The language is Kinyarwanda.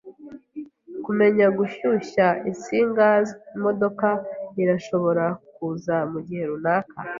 Kumenya gushyushya insinga imodoka irashobora kuza mugihe runaka.